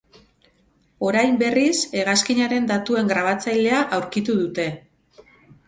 Orain, berriz, hegazkinaren datuen grabatzailea aurkitu dute.